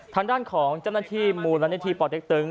ทางด้านของเจ้าหน้าที่หมู่รัฐนาทีปลอดเด็กตึง